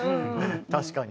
確かに。